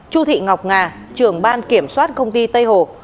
chu thị ngọc ngà trường ban kiểm soát công ty tây hồ